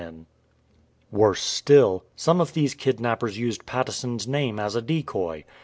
THE KIDNAPPERS Worse still, some of these kidnappers used Patteson'*s name as a decoy.